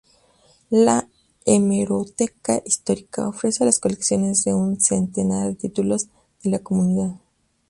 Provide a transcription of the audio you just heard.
La hemeroteca histórica ofrece las colecciones de un centenar de títulos de la comunidad.